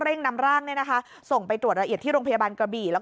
นำร่างเนี่ยนะคะส่งไปตรวจละเอียดที่โรงพยาบาลกระบี่แล้ว